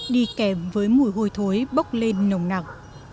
đi kèm với mùi hôi thối bốc lên nồng nặng